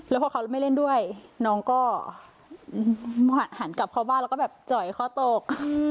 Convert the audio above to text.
แล้วพอเขาไม่เล่นด้วยน้องก็หันกลับเข้าบ้านแล้วก็แบบจ่อยข้อตก